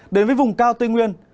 đến với vùng cao tiền